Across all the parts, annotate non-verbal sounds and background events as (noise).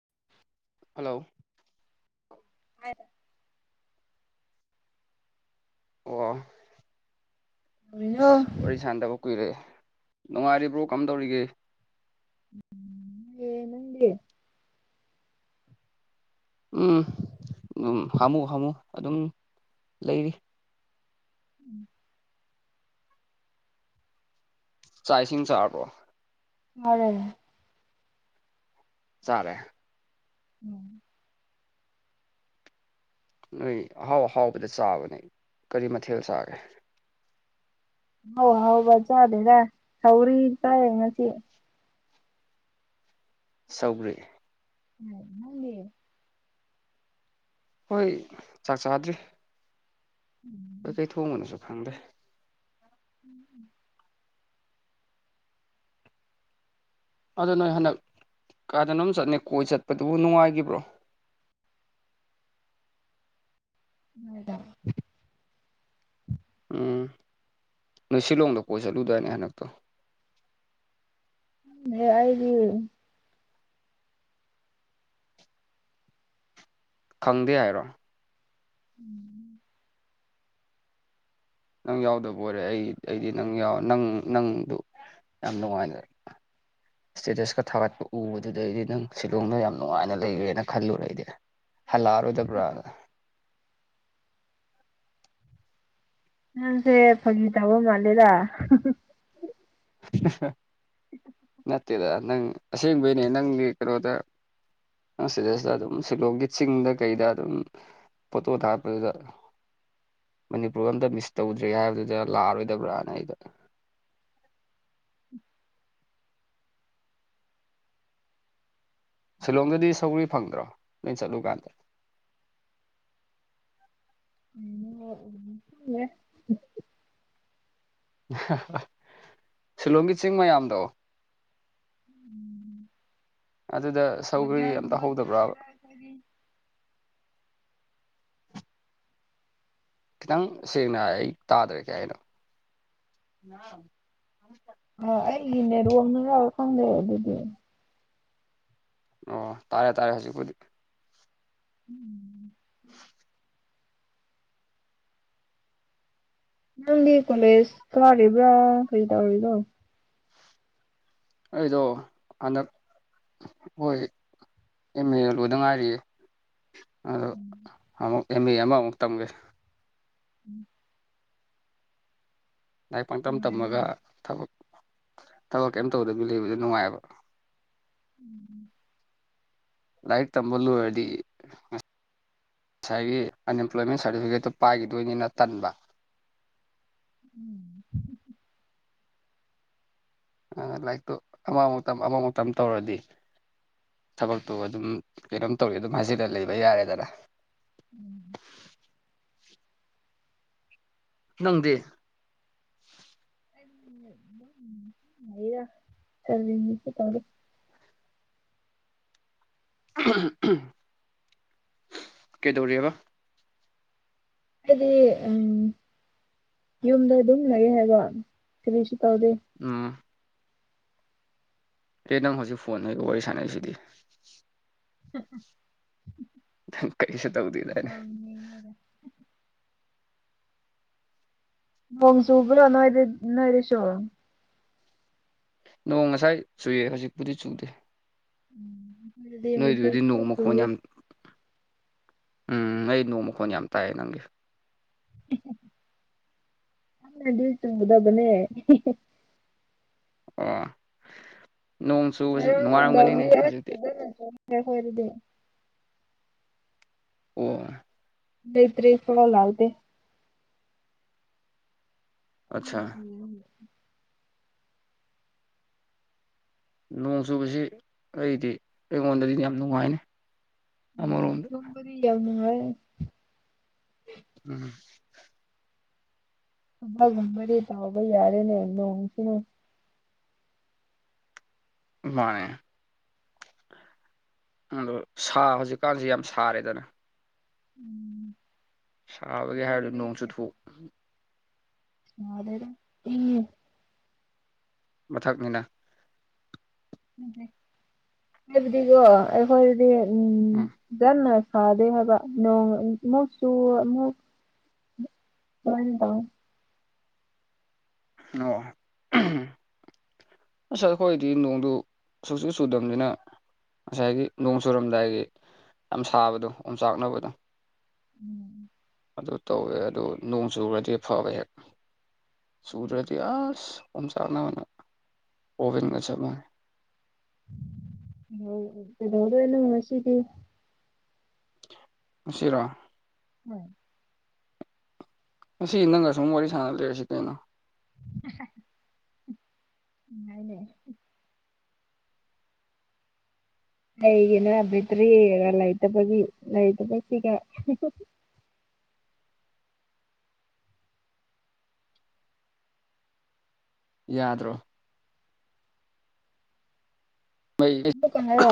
(unintelligible) hello ꯍꯥꯏꯗ ꯑꯣ ꯀꯩꯗꯧꯔꯤꯅꯣ ꯑꯁ ꯋꯥꯔꯤ ꯁꯥꯟꯗꯕ ꯀꯨꯏꯔꯦ ꯅꯨꯡꯉꯥꯏꯔꯤꯕ꯭ꯔꯣ ꯀꯝ ꯇꯧꯔꯤꯒꯦ ꯌꯦꯅꯗꯤꯌꯦꯦ ꯎꯝ ꯑꯗꯨꯝ ꯍꯥꯝꯃꯨ ꯍꯥꯝꯃꯨ ꯑꯗꯨꯝ ꯂꯩꯔꯤ ꯆꯥꯏꯁꯤꯡꯅ ꯆꯥꯔꯕ꯭ꯔꯣ ꯍꯔꯦ ꯆꯂꯦ ꯎꯝ ꯅꯣꯏ ꯑꯍꯥꯎ ꯑꯍꯥꯎꯕꯗ ꯆꯥꯕꯅꯦ ꯀꯔꯤ ꯃꯊꯦꯜ ꯆꯥꯒꯦ ꯍꯥꯎ ꯍꯥꯎ ꯃꯖꯥꯗꯦꯗ ꯍꯧꯧꯔꯤ ꯇ ꯉꯁꯤ ꯁꯧꯒ꯭ꯔꯤ ꯎꯝ ꯅꯪ ꯍꯣꯏ ꯆꯥꯛ ꯆꯥꯗ꯭ꯔꯤ ꯀꯩꯀꯩ ꯊꯣꯡꯕꯅꯁꯨ ꯈꯪꯗꯦ ꯎꯝ ꯎꯝ ꯑ ꯅꯣꯏ ꯍꯟꯗꯛ ꯀꯥꯗꯅꯣꯝ ꯆꯠꯅꯤ ꯀꯣꯏ ꯆꯠꯄꯗꯨꯕꯨ ꯅꯨꯡꯉꯥꯏꯈꯤꯕ꯭ꯔꯣ (unintelligible) ꯍꯗ (unintelligible) ꯎꯝ ꯅꯣꯏ ꯁꯤꯂꯣꯡꯗ ꯀꯣꯏ ꯆꯠꯂꯨꯗꯥꯏꯅꯦ ꯍꯟꯗꯛꯇꯣ ꯑꯏꯗꯤ ꯈꯪꯗꯦ ꯍꯥꯏꯔꯣ ꯎꯝ ꯅꯪ ꯌꯥꯎꯗꯕ ꯑꯣꯏꯔꯦ ꯑꯩ ꯑꯩꯗꯤ ꯅꯪꯎ ꯅꯪ ꯅꯪꯗꯨ ꯌꯥꯝꯗ ꯋꯥꯥꯏꯅ ꯏꯁꯇꯦꯇꯁꯀ ꯊꯥꯒꯠꯄ ꯎꯕꯗꯨꯗꯩꯗꯤ ꯅꯪ ꯁꯤꯂꯣꯡꯗ ꯌꯥꯝ ꯅꯨꯡꯉꯥꯏꯅ ꯂꯩꯔꯦꯅ ꯈꯜꯂꯨꯔꯏꯗꯤ ꯍꯜꯂꯥꯔꯣ ꯆꯠꯔꯥ ꯅꯪꯁꯦ ꯐꯒ ꯇꯧꯕ ꯃꯥꯜꯂꯦꯗ (unintelligible) ꯅꯠꯇꯦꯗ ꯅꯪ ꯑꯁꯦꯡꯕꯩꯅꯦ ꯅꯪꯒꯤ ꯀꯩꯅꯣꯗ ꯑꯁꯤꯗꯩꯁꯤꯗ ꯑꯗꯨꯝ ꯁꯤꯂꯣꯡꯒꯤ ꯆꯤꯡꯗ ꯀꯩꯗ ꯑꯗꯨꯝ ꯄꯣꯠꯇꯣ ꯊꯔ ꯄ ꯃꯅꯤꯄꯨꯔ ꯑꯝꯇ ꯃꯤꯁ ꯇꯧꯗ꯭ꯔꯦ ꯍꯥꯏꯕꯗꯨꯗ ꯂꯥꯛꯑꯔꯣꯏꯗꯕ꯭ꯔꯅ ꯑꯩꯗ ꯁꯤꯂꯣꯡꯗꯗꯤ ꯁꯧꯔꯤ ꯐꯪꯗ꯭ꯔꯣ ꯅꯣꯏ ꯆꯠꯂꯨꯀꯥꯟꯗ (unintelligible) (inaudible) ꯎ (inaudible) ꯁꯤꯂꯣꯡꯒꯤ ꯆꯤꯡ ꯃꯌꯥꯝꯗꯣ (unintelligible) (inaudible) ꯑꯗꯨꯗ ꯁꯧꯒꯔꯤ ꯑꯝꯇ ꯕꯖꯥꯔꯒꯨꯝꯕ ꯍꯧꯧꯗꯕ꯭ꯔꯥꯕ ꯆꯠꯇꯦꯗ ꯑꯩꯈꯣꯏꯗꯤ ꯈꯤꯇꯪ ꯁꯦꯡꯅ ꯑꯩ ꯇꯥꯗ꯭ꯔꯦꯒꯦ ꯍꯥꯏꯅꯣ ꯑ ꯑꯩꯒꯤꯅꯦꯔꯣꯝꯅ ꯌꯥꯎꯔ ꯈꯪꯗꯦ ꯑꯗꯨꯗꯤ ꯑꯣ ꯇꯥꯔꯦ ꯇꯥꯔꯦ ꯍꯧꯖꯤꯛꯄꯨꯗꯤ ꯎꯝ (inaudible) ꯎꯝ (inaudible) ꯅꯝ ꯀꯗ ꯀꯨꯃꯔꯤꯕ꯭ꯔ ꯀꯩ ꯇꯧꯔꯤꯗꯣ ꯑꯩꯗꯣ ꯑꯅ ꯍꯣꯏ ꯑꯦꯝ ꯑꯦ ꯑꯦ ꯂꯣꯏꯗ ꯉꯥꯏꯔꯤꯌꯦ ꯑꯗꯣ ꯑꯃꯨꯛ ꯑꯦꯝ ꯑꯦ ꯑꯃꯃꯨꯛ ꯇꯝꯒꯦ ꯎꯝ (inaudible) ꯂꯥꯏꯔꯤꯛ ꯄꯥꯡꯇꯝ ꯇꯝꯃꯒ ꯅꯨꯡꯉꯥꯏꯅꯦ ꯊꯕꯛ ꯊꯕꯛ ꯀꯔꯤꯝ ꯇꯧꯗꯕꯤ ꯂꯩꯕꯗ ꯅꯨꯡꯉꯥꯏꯕ ꯎꯝ ꯂꯥꯏꯔꯤꯛ ꯇꯝꯕ ꯂꯣꯏꯔꯗꯤ ꯉꯁꯥꯏꯒꯤ ꯑꯟꯑꯦꯝꯄ꯭ꯂꯣꯏꯃꯦꯟ ꯁꯥꯔꯇꯤꯐꯤꯀꯦꯠꯇꯣ ꯄꯥꯏꯈꯤꯗꯣꯏꯅꯤꯅ ꯇꯟꯕ ꯎꯝ ꯑꯗꯨꯅ ꯂꯥꯏꯔꯤꯛꯇꯨ ꯑꯃꯥꯡ ꯃꯇꯝ ꯑꯃꯥꯡ ꯃꯇꯝ ꯇꯧꯔꯗꯤ ꯊꯕꯛꯇꯨ ꯑꯗꯨꯝ ꯀꯩꯅꯣꯝ ꯇꯧꯔꯤ ꯑꯗꯨꯝ ꯍꯥꯏꯖꯤꯗ ꯂꯩꯕ ꯌꯥꯔꯦꯗꯅ ꯎꯝ ꯅꯪꯗꯤ ꯔ ꯆꯅꯤ ꯄ ꯇꯔ (inaudible) (unintelligible) ꯀꯩꯗꯧꯔꯦꯕ ꯍꯥꯏꯗꯤ ꯎꯝ ꯌꯨꯝꯗ ꯑꯗꯨꯝ ꯂꯩꯒꯦ ꯍꯥꯏꯕꯔꯤ ꯎꯝ ꯑꯦ ꯅꯪ ꯍꯧꯖꯤꯛ ꯐꯣꯟ ꯅꯒ ꯋꯥꯔꯤ ꯁꯥꯟꯅꯔꯤꯁꯤꯗꯤ ꯎ (inaudible) ꯀꯩꯁꯨ ꯇꯧꯗꯗꯅꯤ ꯃꯪꯖꯨꯄ ꯂ ꯋꯥꯅꯅ ꯁ ꯅꯣꯡ ꯉꯁꯥꯏ ꯆꯨꯌꯦ ꯍꯧꯖꯤꯛꯄꯨꯗꯤ ꯆꯨꯗꯦ ꯎꯝ (inaudible) ꯅꯣꯏꯗꯨꯗꯤ ꯅꯣꯡꯃ ꯈꯣꯡ ꯌꯥꯝ ꯎꯝ ꯑꯩ ꯅꯣꯡ ꯃꯈꯣꯟ ꯌꯥꯝ ꯇꯥꯏꯌꯦ ꯅꯪꯒꯤ ꯆꯕꯨꯗꯒꯅꯦ ꯑ (inaudible) ꯔꯗꯤ ꯑꯣ ꯅꯇꯔꯔꯤ ꯐꯣ ꯂꯥꯛꯗ ꯑ ꯑꯠꯆꯥ ꯁꯤ (inaudible) ꯅꯣꯡ ꯆꯨꯕꯁꯤ ꯑꯩꯗꯤ ꯑꯩꯉꯣꯟꯗꯗꯤꯗꯤ ꯌꯥꯝ ꯅꯨꯡꯉꯥꯏꯅꯤ ꯑꯃꯔꯣꯝꯗ ꯁꯝꯕꯔꯤ ꯌꯥꯝ ꯃꯥ ꯎꯝ ꯑ ꯉꯕꯔ ꯇꯥꯎꯕ ꯌꯥꯔꯦꯅꯦ ꯅꯣꯡ ꯁꯤꯅ ꯃꯅꯦꯦ ꯑꯗ ꯁꯥꯕ ꯍꯧꯖꯤꯛꯀꯥꯟꯁꯤ ꯌꯥꯝ ꯁꯥꯔꯦꯗꯅ ꯎꯝ ꯁꯥꯕꯒꯤ ꯍꯥꯏꯔꯨꯔꯗꯤ ꯅꯣꯡ ꯆꯨꯊꯣꯛ ꯁꯗꯦꯗꯥ ꯏꯉꯦ ꯃꯊꯛꯅꯤꯅ ꯑꯗꯨꯕꯨꯗꯤ ꯀꯣ ꯑꯩꯈꯣꯏꯗꯤ ꯎꯝ ꯌꯥꯝꯅꯥ ꯁꯥꯗꯦ ꯍꯥꯏꯕ ꯅꯣꯡ ꯑꯃꯨꯛ ꯆꯨ ꯋꯥ ꯇꯣ (inaudible) (unintelligible) ꯑꯣ ꯑꯁ ꯑꯩꯈꯣꯏꯗꯤ ꯅꯣꯡꯗꯨ ꯁꯨꯛꯁꯨꯨ ꯆꯨꯗꯕꯅꯤꯅ ꯉꯁꯥꯏꯒꯤ ꯅꯣꯡ ꯆꯨꯔꯝꯗꯥꯏꯒꯤ ꯌꯥꯝ ꯁꯥꯕꯗꯣ ꯑꯣꯝꯆꯥꯛꯅꯕꯗꯣ ꯎꯝ ꯑꯗꯨ ꯇꯧꯋꯦ ꯑꯗꯨ ꯅꯣꯡ ꯆꯨꯔꯗꯤ ꯐꯕ ꯍꯦꯛ ꯆꯨꯗ꯭ꯔꯗꯤ ꯑꯁ ꯑ ꯑꯣꯚꯦꯟꯒꯥ ꯆꯞ ꯃꯅꯩ ꯀꯩꯗꯧꯗꯣꯏꯅꯣ ꯉꯁꯤꯗꯤ ꯉꯁꯤꯔꯣ ꯎꯝ ꯉꯁꯤ ꯅꯪꯒ ꯁꯨꯝ ꯋꯥꯔꯤ ꯁꯥꯟꯅ ꯂꯩꯔꯁꯤ ꯀꯩꯅꯣ ꯌꯥꯏꯅꯦ ꯀꯔꯤꯒꯤꯅꯣ ꯕꯤꯇ꯭ꯔꯤ ꯂꯩꯇꯕꯒꯤ ꯂꯩꯇꯕꯁꯤꯒ ꯌꯥꯗ꯭ꯔꯣ ꯃꯩ ꯀꯣꯛꯀ ꯍꯥꯏꯔꯣ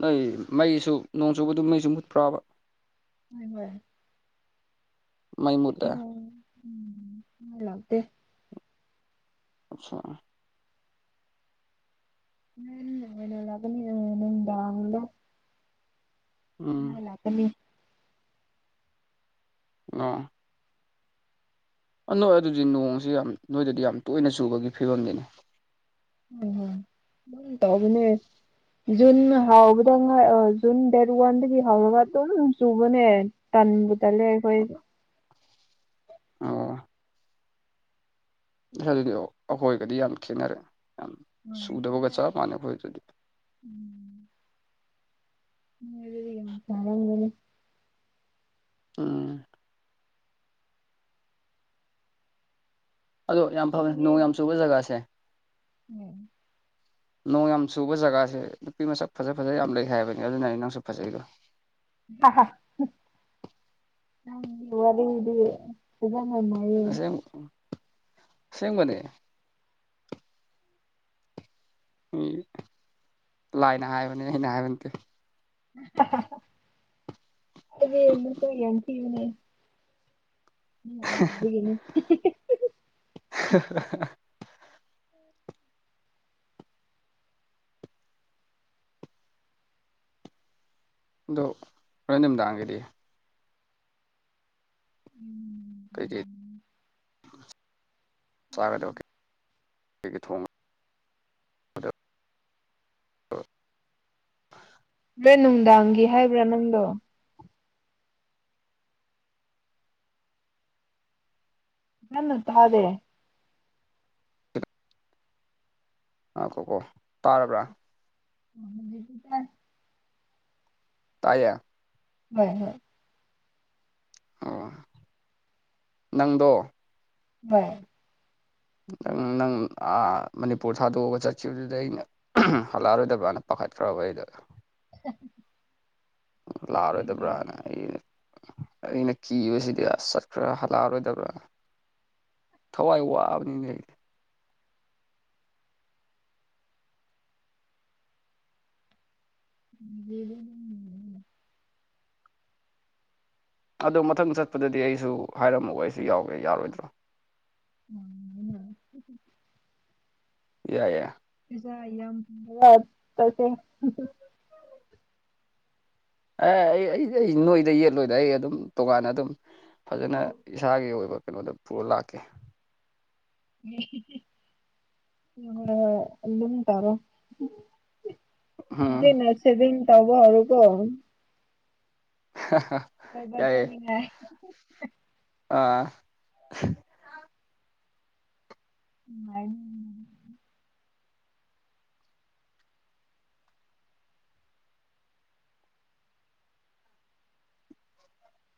ꯅꯣꯏ ꯃꯩꯁꯨ ꯅꯣꯡ ꯆꯨꯕꯗꯨ ꯃꯩꯁꯨ ꯃꯨꯠꯄ꯭ꯔꯥꯕ ꯍꯣꯏ ꯍꯣꯏ ꯃꯩ ꯃꯨꯠꯂꯦ ꯅꯣꯡ ꯃꯩ ꯂꯥꯛꯇꯦ ꯑꯆꯥ ꯉꯟꯅꯥ ꯂꯥꯛꯀꯅꯤꯗ ꯅꯨꯡꯗꯥꯡꯗꯣ ꯎꯝ ꯃꯩ ꯂꯥꯛꯀꯅꯤ ꯑ ꯅꯣꯏ ꯑꯗꯨꯗꯤ ꯅꯣꯡꯁꯤ ꯌꯥꯝ ꯅꯣꯏꯗꯗꯤ ꯌꯥꯝ ꯇꯣꯏꯅ ꯆꯨꯕꯒꯤ ꯐꯤꯕꯝꯅꯤꯅꯤ ꯎꯝꯝ ꯇꯕꯅꯦ ꯖꯨꯟ ꯍꯥꯎꯕꯗ ꯉꯥꯏ ꯑꯣꯏꯖꯨ ꯖꯨꯟ ꯗꯦꯠ ꯋꯥꯟꯗꯒꯤ ꯍꯥꯎꯔꯒ ꯑꯗꯨꯝ ꯆꯨꯕꯅꯦ ꯇꯟꯕꯨ ꯇꯂꯦ ꯑꯩꯈꯣꯏ ꯑꯣ ꯑꯗꯨꯅꯦ ꯑꯩꯈꯣꯏꯒꯗꯤ ꯌꯥꯝ ꯈꯦꯠꯅꯔꯦ ꯌꯥꯝ ꯍꯔꯦ ꯁꯨꯗꯕꯒ ꯆꯞ ꯃꯥꯟꯅꯩ ꯑꯩꯈꯣꯏꯗꯗꯤ ꯎꯝ (inaudible) (unintelligible) ꯎꯗꯤ ꯌꯥꯝ ꯆꯔꯅꯤ ꯑꯝ ꯑꯗꯣ ꯌꯥꯝ ꯐꯕꯅꯦ ꯅꯣꯡ ꯌꯥꯝ ꯆꯨꯕ ꯖꯒꯥꯁꯦ ꯎꯝ ꯅꯣꯡ ꯌꯥꯝ ꯆꯨꯕ ꯖꯒꯥꯁꯦ ꯅꯨꯄꯤ ꯃꯁꯛ ꯐꯖ ꯐꯖ ꯌꯥꯝ ꯂꯩ ꯍꯥꯏꯕꯅꯤ ꯑꯗꯨꯅ ꯑꯩ ꯅꯪꯁꯨ ꯐꯖꯩꯗꯣ ꯋꯔꯤꯗꯤ ꯄꯨꯕ ꯉꯃꯣꯏꯌꯦ ꯑꯁꯦꯡ ꯑꯁꯦꯡꯕꯅꯦ ꯎ ꯂꯥꯏꯅ ꯍꯥꯏꯕꯅꯦ ꯑꯩꯅ ꯍꯥꯏꯕ ꯅꯠꯇꯦ (inaudible) (unintelligible) ꯑꯗꯨꯗꯤ ꯑꯃꯨꯛꯇꯥ ꯌꯦꯡꯄꯤꯌꯨꯅꯦ ꯎꯒꯅꯦ (inaudible) (unintelligible) (inaudible) ꯑꯗꯣ ꯍꯣꯔꯦꯟ ꯅꯨꯝꯗꯥꯡꯒꯤꯗꯤ ꯎꯝ ꯀꯩ ꯀꯩ ꯆꯥꯒꯗ ꯀꯩ ꯀꯩ ꯊꯣꯡ (inaudible) ꯍꯣꯔꯦꯟ ꯅꯨꯡꯗꯥꯡꯒꯤ ꯍꯥꯏꯕ꯭ꯔꯥ ꯅꯪꯗꯣ ꯅꯟꯅ ꯇꯥꯗꯦ ꯉꯥꯏꯈꫭꯀꯣ ꯇꯥꯔꯕ꯭ꯔꯥ ꯎꯝ ꯇꯥꯏ ꯇꯥꯏꯌꯦ ꯍꯣꯏ ꯍꯣꯏ ꯑꯣ ꯅꯪꯗꯣ ꯍꫭꯏ ꯅꯪ ꯅꯪ ꯑꯥ ꯃꯅꯤꯄꯨꯔ ꯊꯥꯗꯣꯛꯑꯒ ꯆꯠꯈꯤꯕꯗꯨꯗ ꯑꯩꯅ ꯍꯜꯂꯛꯑꯔꯣꯏꯗꯕ꯭ꯔꯅ ꯄꯥ ꯈꯠꯈ꯭ꯔꯕ ꯑꯩꯗ (inaudible) ꯂꯥꯛꯑꯔꯣꯏꯗꯕ꯭ꯔꯥꯅ ꯑꯩ ꯑꯩꯅ ꯀꯤꯕꯁꯤꯗꯤ ꯑꯁ ꯆꯠꯈ꯭ꯔ ꯍꯜꯂꯛꯑꯔꯣꯏꯗꯕ꯭ꯔꯥ ꯊꯋꯥꯏ ꯋꯥꯕꯅꯤꯅꯦ ꯑꯩ (inaudible) ꯑꯗꯣ ꯃꯊꯪ ꯆꯠꯄꯗꯗꯤ ꯑꯩꯁꯨ ꯍꯥꯏꯔꯝꯃꫭ ꯑꯩꯁꯨ ꯌꯥꯎꯒꯦ ꯌꯥꯔꯣꯏꯗ꯭ꯔꯣ ꯎꯝ ꯌꯥꯏ ꯌꯦ ꯌꯥꯏ ꯌꯥꯝ ꯇꯁꯦ ꯑꯦ ꯑꯩ ꯑꯩ ꯑꯩ ꯅꯣꯏꯗ ꯌꯦꯠꯂꯣꯏꯗ ꯑꯩ ꯑꯗꯨꯝ ꯇꯣꯉꯥꯟꯅ ꯑꯗꯨꯝ ꯐꯖꯅ ꯏꯁꯥꯒꯤ ꯑꯣꯏꯕ ꯀꯩꯅꯣꯗ ꯄꯨꯔ ꯂꯥꯛꯀꯦ ꯑꯗꯨꯝ ꯇꯧꯔꯣ ꯎꯝ ꯑꯗꯨꯅ ꯁꯦꯚꯤꯡ ꯇꯧꯕ ꯍꯧꯔꫭꯀꯣ (inaudible) ꯀꫭꯏꯕ ꯌꯥꯏꯌꯦ ꯆꯠꯅꯤꯡꯉꯥꯏ ꯑ ꯅꯨꯡꯉꯥꯏꯅꯤ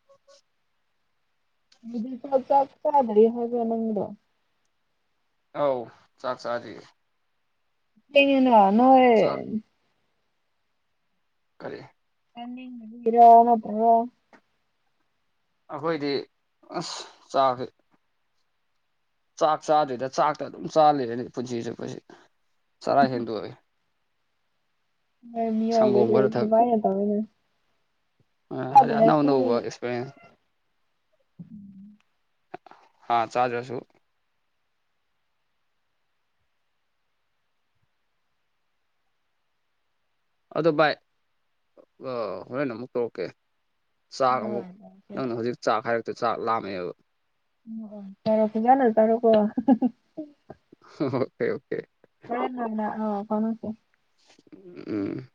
(inaudible) ꯍꯧꯗꯤ ꯆꯣ ꯆꯥꯁ ꯀꯥꯗꯔꯤ ꯍꯥꯏꯒ ꯅꯪꯗꯣ ꯑꯧ ꯆꯥꯛ ꯆꯗ꯭ꯔꯤ ꯀꯩꯒꯤꯅꫭ ꯅꯣꯏ ꯀꯔꯤ ꯆꯥꯅꯤꯡꯗꯕꯒꯤꯔꯥ ꯅꯠꯇ꯭ꯔꯒ ꯑꯩꯈꯣꯏꯗꯤ ꯑꯁ ꯆꯥꯛꯁꯦ ꯆꯥꯛ ꯆꯥꯗ꯭ꯔꯤꯗ ꯆꯥꯛꯇ ꯑꯗꯨꯝ ꯆꯥ ꯂꯩꯔꯗꯤ ꯄꯨꯟꯁꯤ ꯆꯨꯞꯄꯁꯦ ꯆꯔꯥ ꯍꯦꯟꯗꯣꯛꯑꯦ ꯁꯪꯒꯣꯝ ꯑꯗꯨꯃꯥꯏꯅ ꯇꯧꯒꯅꯨ ꯑ ꯑꯗꯨ ꯑꯅꯧ ꯑꯅꯧꯕ ꯑꯦꯛꯁꯄꯔꯤꯌꯦꯟꯁ ꯍꯥꯥ ꯆꯥꯗ꯭ꯔꯁꯨ ꯑꯗꫭ ꯚꯥꯏ ꯒ ꯍꯣꯔꯦꯟ ꯑꯃꯨꯛ ꯇꯧꯔꯛꯀꯦ ꯆꯥꯛ ꯑꯃꯨꯛ ꯅꯪꯅ ꯍꯧꯖꯤꯛ ꯆꯥꯛ ꯍꯥꯏꯔꯛꯇ ꯆꯥꯛ ꯂꯥꯝꯃꯦꯕ ꯎꯝ ꯐꯔꯦ ꯐꯖꯅ ꯆꯥꯔꫭꯀꫭ ꯑꯣꯀꯦ ꯑꯣꯀꯦ ꯍꫭꯔꯦꯟ ꯑꫭꯏꯅ ꯑꯥ ꯐꯥꯎꯅꯁꯦ ꯎꯝ